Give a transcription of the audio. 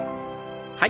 はい。